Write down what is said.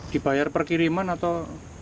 dibayar per kiriman atau borongan